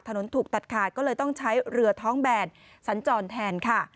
ถูกตัดขาดก็เลยต้องใช้เรือท้องแบนสัญจรแทนค่ะ